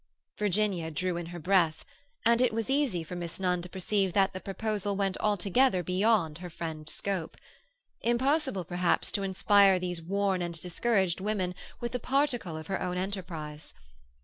Virginia drew in her breath, and it was easy for Miss Nunn to perceive that the proposal went altogether beyond her friend's scope. Impossible, perhaps, to inspire these worn and discouraged women with a particle of her own enterprise.